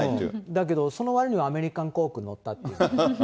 だけど、そのわりにはアメリカン航空に乗ったという。